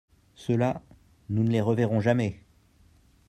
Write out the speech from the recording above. Ceux-là, nous ne les reverrons jamais.